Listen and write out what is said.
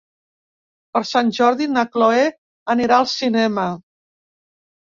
Per Sant Jordi na Cloè anirà al cinema.